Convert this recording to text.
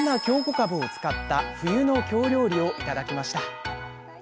かぶを使った冬の京料理を頂きました。